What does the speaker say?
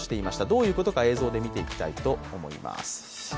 どういうことか映像で見ていきたいと思います。